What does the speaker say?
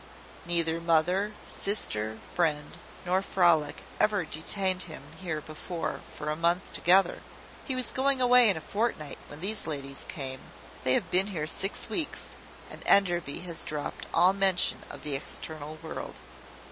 Neither mother, sister, friend, nor frolic, ever detained him here before for a month together. He was going away in a fortnight when these ladies came: they have been here six weeks, and Enderby has dropped all mention of the external world.